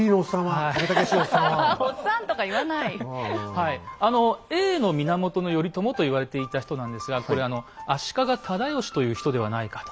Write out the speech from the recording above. はいあのＡの源頼朝と言われていた人なんですがこれ足利直義という人ではないかと。